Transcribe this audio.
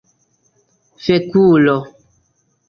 fekulo